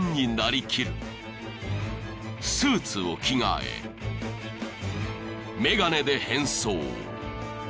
［スーツを着替え眼鏡で変装］